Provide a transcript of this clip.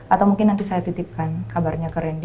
atau mungkin nanti saya titipkan kabarnya ke randy